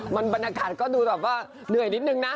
มันบรรยากาศก็ดูแบบว่าเหนื่อยนิดนึงนะ